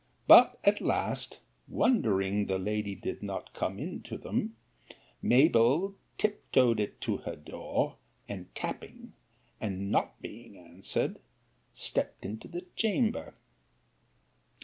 But at last, wondering the lady did not come in to them, Mabell tiptoed it to her door, and tapping, and not being answered, stept into the chamber.